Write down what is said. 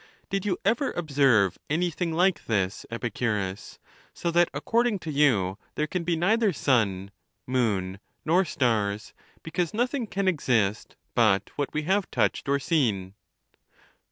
Did you ever observe anything like this, Epicu I'us ? So that, according to you, there can be neither sun, moon, nor stars, because nothing can exist but what we liave touched or seen."